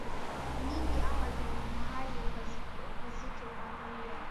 nyingi Amazon ni mahali pazito kamili ya